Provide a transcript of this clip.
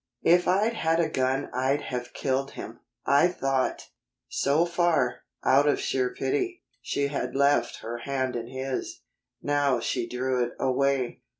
"If I'd had a gun I'd have killed him. I thought " So far, out of sheer pity, she had left her hand in his. Now she drew it away.